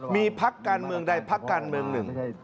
มีพักการเมืองใดพักการเมืองหนึ่ง